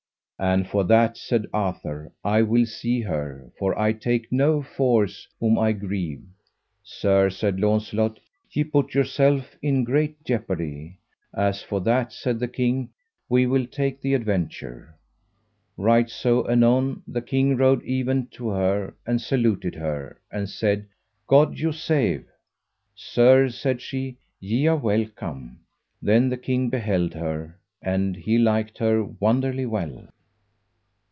As for that, said Arthur, I will see her, for I take no force whom I grieve. Sir, said Launcelot, ye put yourself in great jeopardy. As for that, said the king, we will take the adventure. Right so anon the king rode even to her, and saluted her, and said: God you save. Sir, said she, ye are welcome. Then the king beheld her, and liked her wonderly well.